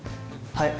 はい。